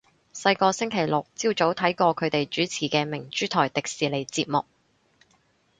細個星期六朝早睇過佢哋主持嘅明珠台迪士尼節目